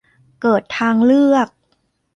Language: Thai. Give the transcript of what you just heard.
เกิดทางเลือก